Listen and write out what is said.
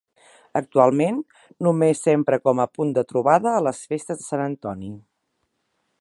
Actualment, només s'empra com a punt de trobada a les festes de Sant Antoni.